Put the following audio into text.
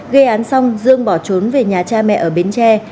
gây án xong dương bỏ trốn về nhà cha mẹ ở bến tre